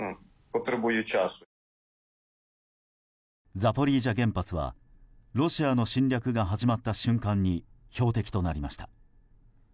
ザポリージャ原発はロシアの侵略が始まった瞬間に標的となりました。